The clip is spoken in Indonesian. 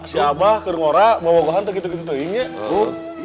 siapa siapa orang lain mau berangkat begitu begitu ini